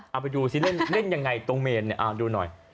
เอาไปดูสิเล่นยังไงตรงเมนดูหน่อย